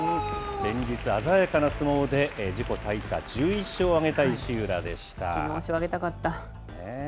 連日鮮やかな相撲で、自己最多１１勝を挙げた石浦でした。